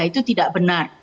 itu tidak benar